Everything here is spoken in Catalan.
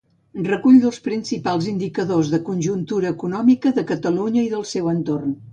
Recull dels principals indicadors de conjuntura econòmica de Catalunya i del seu entorn.